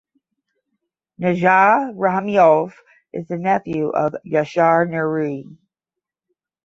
Nijat Rahimov is the nephew of Yashar Nuri.